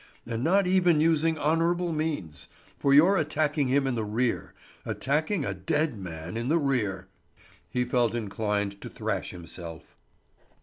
"And not even using honourable means; for you're attacking him in the rear attacking a dead man in the rear!" He felt inclined to thrash himself.